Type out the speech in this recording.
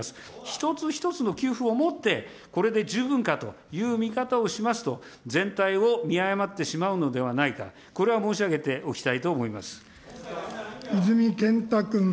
一つ一つの給付をもって、これで十分かという見方をしますと、全体を見誤ってしまうのではないか、これは申し上げておきたいと泉健太君。